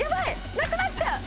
なくなっちゃう。